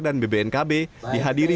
dan bbnkb dihadiri